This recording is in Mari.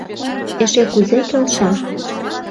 Эше кузе келша!